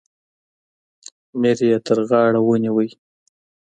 میر یې تر غاړه ونیوی.